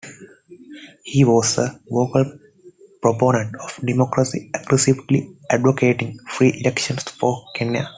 He was a vocal proponent of democracy, aggressively advocating free elections for Kenya.